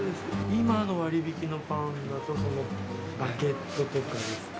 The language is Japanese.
今の割引のパンだとバゲットとか。